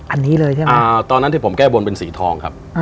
อันนี้เลยใช่ไหมอ่าตอนนั้นที่ผมแก้บนเป็นสีทองครับ